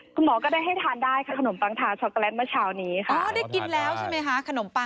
คุณหมอก็ได้ให้ทานได้ขนมปังทานช็อคโกแลตมาเช้านี้ค่ะ